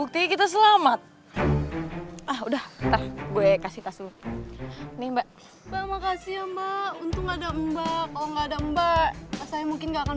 terima kasih mbak